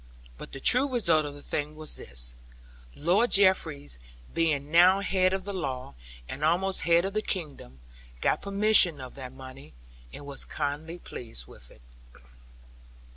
But the true result of the thing was this Lord Jeffreys being now head of the law, and almost head of the kingdom, got possession of that money, and was kindly pleased with it.